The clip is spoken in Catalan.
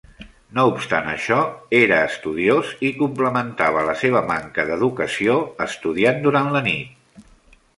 No obstant això, era estudiós i complementava la seva manca d'educació estudiant durant la nit.